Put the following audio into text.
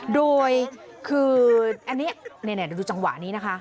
โดยคืออันนี้ดูจังหวะนี้นะคะ